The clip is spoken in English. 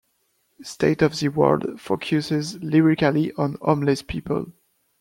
"State of the World" focuses lyrically on homeless people.